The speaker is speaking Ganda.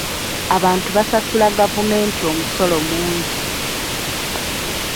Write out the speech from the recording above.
Abantu basasula gavumenti omusolo mungi.